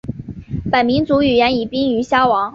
本民族语言已濒于消亡。